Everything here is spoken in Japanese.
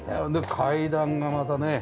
階段がまたね